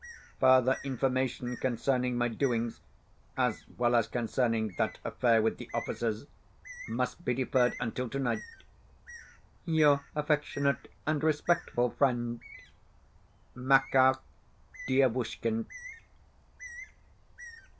Further information concerning my doings (as well as concerning that affair with the officers) must be deferred until tonight. Your affectionate and respectful friend, MAKAR DIEVUSHKIN.